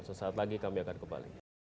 sesaat lagi kami akan kembali